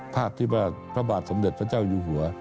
ภาพที่ว่าพระบาทสมเด็จพระเจ้าอยู่หัว